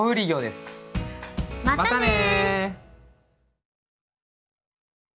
またね。